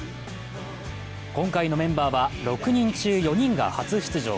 今回のメンバーは、６人中４人が初出場。